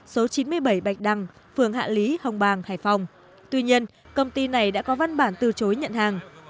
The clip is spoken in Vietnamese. số chín mươi bảy bạch đăng phường hạ lý hồng bàng hải phòng tuy nhiên công ty này đã có văn bản từ chối nhận hàng